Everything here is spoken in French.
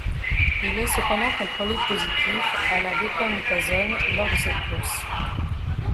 Il est cependant contrôlé positif à la bétaméthasone lors de cette course.